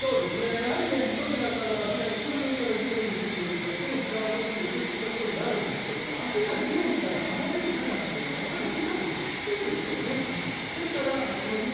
どちらかの足が一瞬でもいいから地面についているそして膝が伸びているといったところになるんですけど足が地面から離れる高さというのがやっぱりピンタード選手低いんですよね。